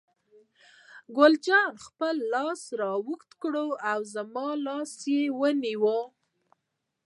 ګل جانې خپل لاس را اوږد کړ او زما لاس یې ونیو.